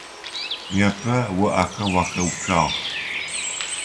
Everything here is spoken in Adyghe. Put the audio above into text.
Непэ о ахэм уахэуцуагъ.